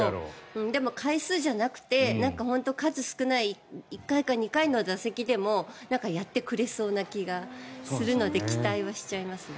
でも回数じゃなくて本当に数少ない１回か２回の打席でもやってくれそうな気がするので期待はしちゃいますね。